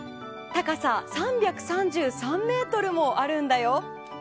高さ３３３ｍもあるんだよ。